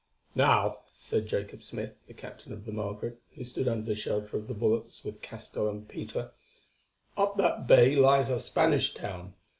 "Now," said Jacob Smith, the captain of the Margaret, who stood under the shelter of the bulwarks with Castell and Peter, "up that bay lies a Spanish town.